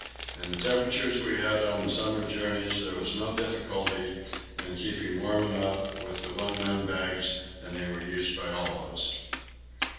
In the temperatures we had on the summer journeys there was no difficulty in keeping warm enough with the one man bags, and they were used by all of us.